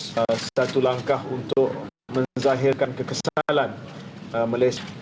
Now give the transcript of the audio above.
ini adalah satu langkah untuk menzahirkan kekesalan malaysia